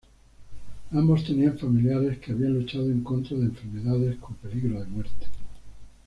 Ambos tenían familiares que habían luchado en contra de enfermedades con peligro de muerte.